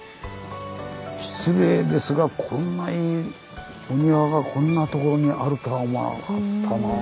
失礼ですがこんないいお庭がこんなところにあるとは思わなかったなあ。